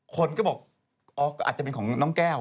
คนก็บอกอ๋ออาจจะเป็นของน้องแก้ว